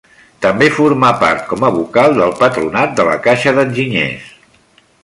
També formà part com a vocal del patronat de la Caixa d'Enginyers.